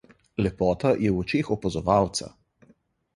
Lepota je v očeh opazovalca.